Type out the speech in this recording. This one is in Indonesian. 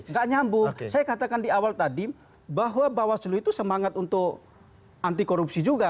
nggak nyambung saya katakan di awal tadi bahwa bawaslu itu semangat untuk anti korupsi juga